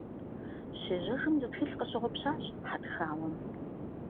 Щежьэжым, зы тхылъ къыщыгъупщащ хьэтхауэм.